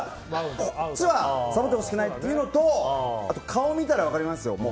こっちはサボってほしくいないっていうのとあと顔を見たら分かりますよ。